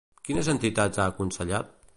Quines entitats ha aconsellat?